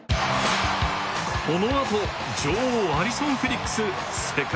このあと女王アリソン・フェリックス世界